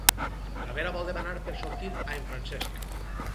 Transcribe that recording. La Vera vol demanar per sortir a en Francesc.